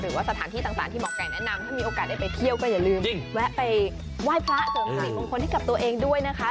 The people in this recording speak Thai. หรือว่าสถานที่ต่างที่หมอไก่แนะนำถ้ามีโอกาสได้ไปเที่ยวก็อย่าลืมแวะไปไหว้พระเสริมสิริมงคลให้กับตัวเองด้วยนะคะ